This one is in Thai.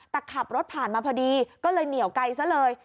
แต่ขับรถผ่านมาพอดีก็เลยเหนียวไกลซะเลย